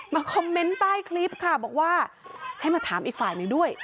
คอมเมนต์ใต้คลิปค่ะบอกว่าให้มาถามอีกฝ่ายหนึ่งด้วย